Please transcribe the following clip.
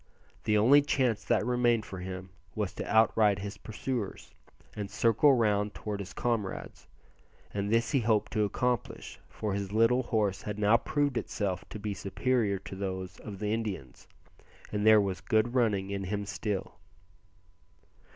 The only chance that remained for him was to outride his pursuers, and circle round towards his comrades, and this he hoped to accomplish, for his little horse had now proved itself to be superior to those of the Indians, and there was good running in him still.